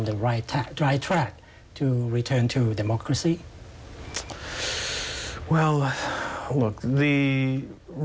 ผมเห็นที่ผมเชื่อว่าความสงสัยดีจากคอมพิวเตอร์